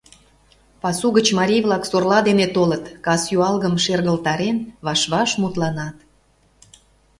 Пасу гыч марий-влак сорла дене толыт, кас юалгым шергылтарен, ваш-ваш мутланат.